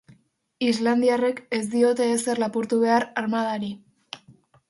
Islandiarrek ez diote ezer lapurtu behar armadari.